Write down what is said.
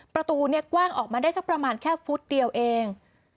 ประตูเนี่ยกว้างออกมาได้สักประมาณแค่ฟุตเดียวเอง